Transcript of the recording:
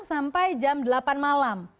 sampai jam delapan malam